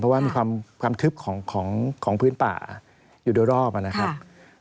เพราะว่ามีความทึบของพื้นป่าอยู่โดยรอบนะครับ